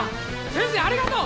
先生ありがとう！